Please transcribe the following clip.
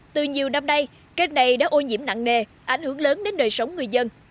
từ nhiều năm nay kênh này đã ô nhiễm nặng nề ảnh hưởng lớn đến đời sống người dân